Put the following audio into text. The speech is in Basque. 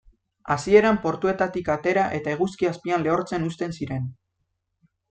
Hasieran portuetatik atera eta eguzki azpian lehortzen uzten ziren.